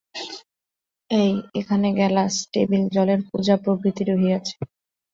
এই এখানে গেলাস, টেবিল, জলের কুঁজা প্রভৃতি রহিয়াছে।